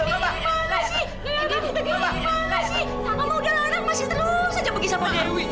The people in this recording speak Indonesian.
mama sih nggak mau pergi sama dewi